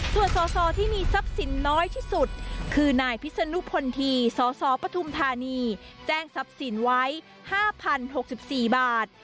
ส่วนสอสอที่มีทรัพย์สินน้อยที่สุดคือนายพิศนุพลทีสสปทุมธานีแจ้งทรัพย์สินไว้๕๐๖๔บาท